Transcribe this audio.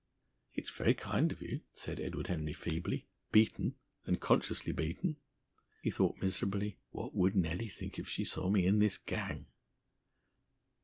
"It's very kind of you," said Edward Henry feebly, beaten, and consciously beaten. (He thought miserably: "What would Nellie think if she saw me in this gang?")